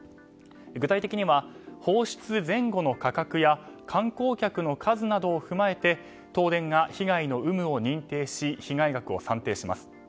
具体的には、放出前後の価格や観光客の数などを踏まえて東電が被害の有無を認定し被害額を算定します。